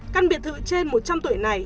căn biệt thự trên một trăm linh tuổi này